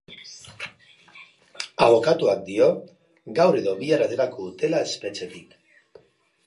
Abokatuak dio gaur edo bihar aterako dutela espetxetik.